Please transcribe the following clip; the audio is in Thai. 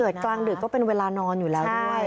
กลางดึกก็เป็นเวลานอนอยู่แล้วด้วย